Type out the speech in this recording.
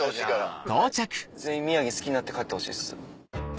はい全員宮城好きになって帰ってほしいです。